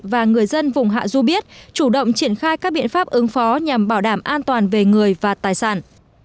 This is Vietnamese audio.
và người dân vùng hạ du biết chủ động triển khai các biện pháp ứng phó nhằm bảo đảm an toàn về người và tài sản